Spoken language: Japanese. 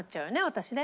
私ね。